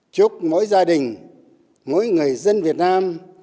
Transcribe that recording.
chúc mỗi gia đình mỗi người dân việt nam